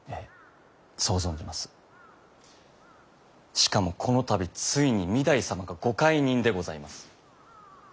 しかもこの度ついに御台様がご懐妊でございます。